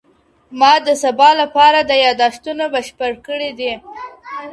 ما د سبا لپاره د يادښتونه بشپړ کړي دي!